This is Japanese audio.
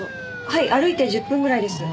はい歩いて１０分ぐらいです。